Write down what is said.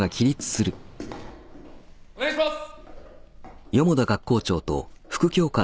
お願いします。